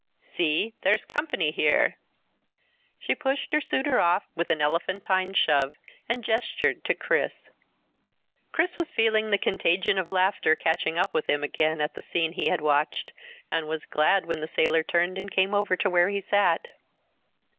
"See there's company here." She pushed her suitor off with an elephantine shove and gestured to Chris. Chris was feeling the contagion of laughter catching up with him again at the scene he had watched, and was glad when the sailor turned and came over to where he sat.